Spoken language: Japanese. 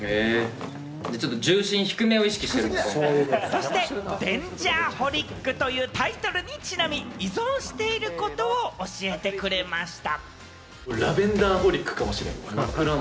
そして『Ｄａｎｇｅｒｈｏｌｉｃ』というタイトルにちなみ、依存していることを教えてくれました。